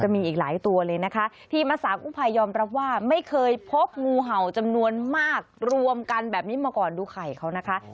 มีอีกหลายตัวเลยนะคะทีมอาสากู้ภัยยอมรับว่าไม่เคยพบงูเห่าจำนวนมากรวมกันแบบนี้มาก่อนดูไข่เขานะคะ